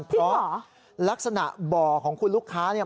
จริงเหรอเพราะลักษณะบ่อของคุณลูกค้าเนี่ย